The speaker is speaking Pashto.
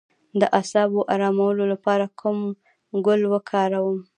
د اعصابو ارامولو لپاره کوم ګل وکاروم؟